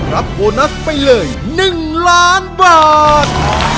รับโบนัสไปเลย๑ล้านบาท